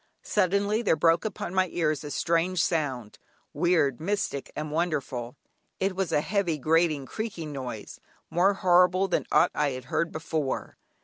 Suddenly there broke upon my ears a strange sound, weird, mystic, wonderful. It was a heavy, grating, creaking noise, more horrible than aught I had heard before.